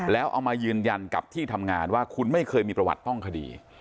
แล้วเอามายืนยันกับที่ทำงานว่าคุณไม่เคยมีประวัติต้องคดี